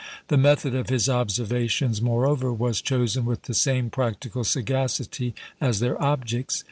The method of his observations, moreover, was chosen with the same practical sagacity as their objects.